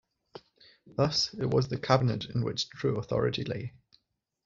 Thus, it was the cabinet in which true authority lay.